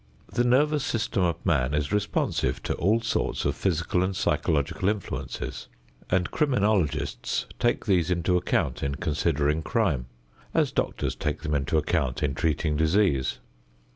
The nervous system of man is responsive to all sorts of physical and psychological influences, and criminologists take these into account in considering crime, as doctors take them into account in treating disease.